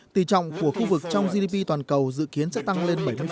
tỷ trọng của khu vực trong gdp toàn cầu dự kiến sẽ tăng lên bảy